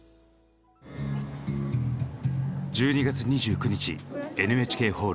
１２月２９日ＮＨＫホール。